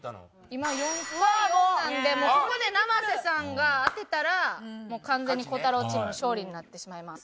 今４対４なんでここで生瀬さんが当てたら完全にコタローチームの勝利になってしまいます。